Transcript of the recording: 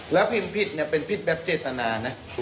แล้วพิมพ์ผิดเนี่ยเป็นผิดแบบเจตนานะ